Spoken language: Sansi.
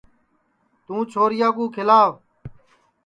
توں چھوریا کُو کھیلاو